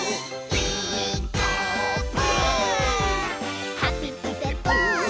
「ピーカーブ！」